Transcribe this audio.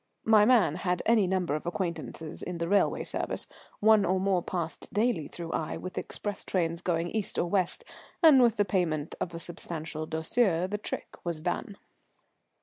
My man had any number of acquaintances in the railway service, one or more passed daily through Aix with the express trains going east or west; and with the payment of a substantial douceur the trick was done.